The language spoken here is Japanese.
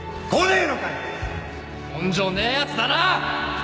根性ねえやつだな！